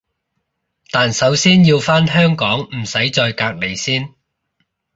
但首先要返香港唔使再隔離先